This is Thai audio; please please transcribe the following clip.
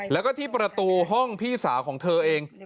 แล้วก็ที่ประตูห้องพี่สาวของเธอเอง